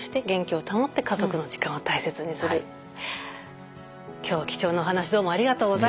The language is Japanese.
今日は貴重なお話どうもありがとうございました。